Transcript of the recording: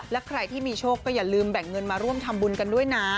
และใครที่มีโชคก็อย่าลืมแบ่งเงินมาร่วมทำบุญกันด้วยนะ